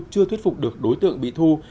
chưa thuyết phục được đối tượng bị thu